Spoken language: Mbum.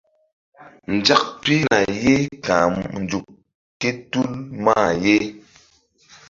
Nzak pihna ye ka̧h nzuk kétul hul mah ye.